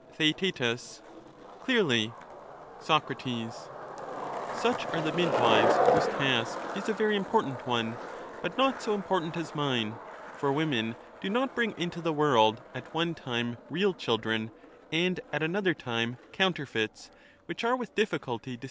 Theaet, Clearly. Soc, Such are the midwives, whose task is a very im Hisbusi portant one, but not so important as mine; for women do f^^^^ not bring into the world at one time real children, and at than theirs, another time counterfeits which are with difficulty distin yf*^?